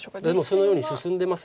そのように進んでます。